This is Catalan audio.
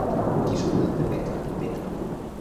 —Qui són el Pepet i la Pepeta?